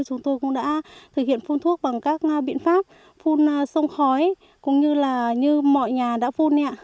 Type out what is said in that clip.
chúng tôi cũng đã thực hiện phun thuốc bằng các biện pháp phun khói cũng như là như mọi nhà đã phun nạ